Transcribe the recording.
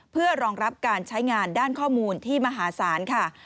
เพื่อรองรับการใช้งานด้านข้อมูลที่มหาศาลค่ะ